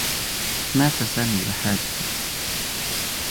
مات سامي بحادثة.